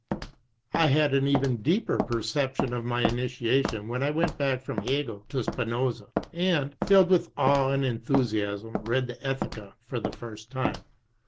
I had an even deeper perception of my initiation when I went back from Hegel to Spinoza and, filled with awe and enthusiasm, read the Ethica for the first time.